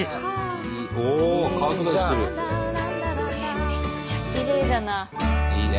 めっちゃきれいだな。いいね。